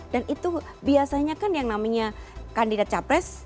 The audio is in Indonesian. dan itu biasanya kan yang namanya kandidat capres